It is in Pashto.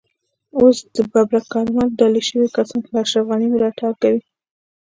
اوس د ببرک کارمل ډالۍ شوي کسان له اشرف غني ملاتړ کوي.